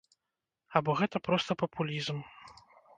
Або гэта проста папулізм?